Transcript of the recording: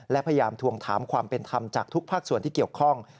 และพยายามทวงถามความเป็นธรรมจากทุกภาคส่วนที่เกี่ยวข้อง